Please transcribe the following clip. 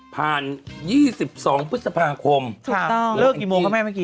ผ่านยี่สิบสองพฤษภาคมถูกต้องเลิกกี่โมงครับแม่เมื่อกี้